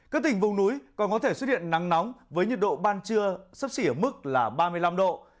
các tỉnh vùng núi còn có thể xuất hiện nắng nóng với nhiệt độ ban trưa sấp xỉ ở mức là ba mươi năm độ